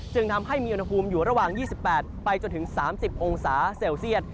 จึงทำให้มีอุณหภูมิอยู่ระหว่าง๒๘ไปจนถึง๓๐องศาเซลเซียต